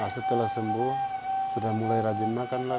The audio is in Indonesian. setelah sembuh sudah mulai rajin makan lah